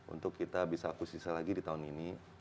untuk kita bisa akuisisi lagi di tahun ini